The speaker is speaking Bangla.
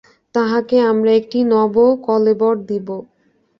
তাহাকে আমরা একটি নব কলেবর দিব।